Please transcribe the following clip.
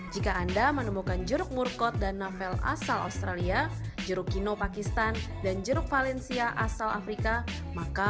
jika anda menemukan jeruk murkot dan nafas asal australia jeruk kino pakistan dan jeruk valencia asal afrika